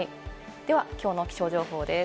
では、きょうの気象情報です。